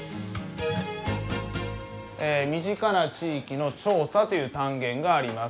え身近な地域の調査という単元があります。